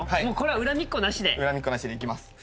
もうこれは恨みっこなし恨みっこなしでいきます